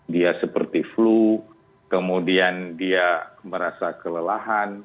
dia seperti flu kemudian dia merasa kelelahan